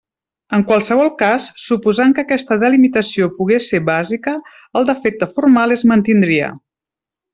En qualsevol cas, suposant que aquesta delimitació pogués ser bàsica, el defecte formal es mantindria.